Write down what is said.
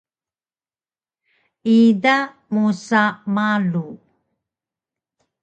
ida musa malu